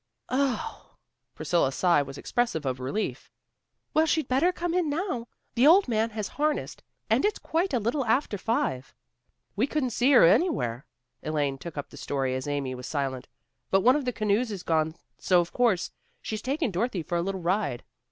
"Oh!" Priscilla's sigh was expressive of relief. "Well, she'd better come in now. The old man has harnessed, and it's quite a little after five." "We couldn't see her anywhere." Elaine took up the story as Amy was silent. "But one of the canoes is gone, so, of course, she's taken Dorothy for a little ride."